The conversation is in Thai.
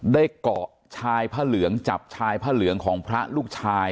ได้เกาะชายพระเหลืองจับชายพระเหลืองของพระลูกชาย